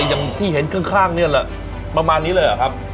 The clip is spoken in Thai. ยังคิดเห็นข้างเนี้ยแหละประมาณนี้เลยหรอครับ